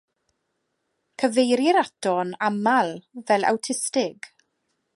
Cyfeirir ato'n aml fel awtistig.